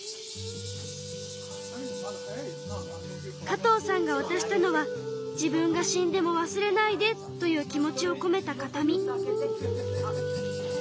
加藤さんがわたしたのは自分が死んでもわすれないでという気持ちをこめた形見。